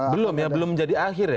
belum ya belum menjadi akhir ya